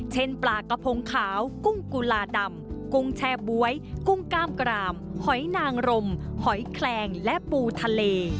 ปลากระพงขาวกุ้งกุลาดำกุ้งแช่บ๊วยกุ้งกล้ามกรามหอยนางรมหอยแคลงและปูทะเล